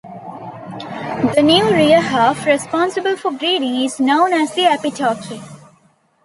The new rear half, responsible for breeding, is known as the epitoke.